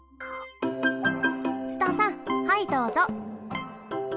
ツタさんはいどうぞ。